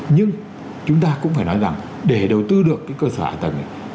nhưng chúng ta cũng phải nói rằng để đầu tư được cái cơ sở hạ tầng